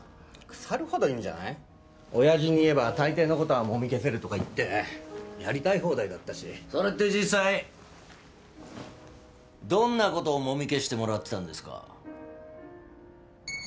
腐るほどいんじゃない親父に言えば大抵のことはもみ消せるとか言ってやりたい放題だったしそれって実際どんなことをもみ消してもらってたんですか？